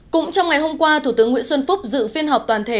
cũng trong ngày hôm qua thủ tướng nguyễn xuân phúc dự phiên họp toàn thể